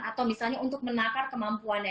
atau misalnya untuk menakar kemampuannya